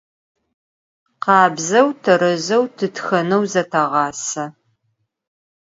Khabzeu, terezeu tıtxeneu zıteğase.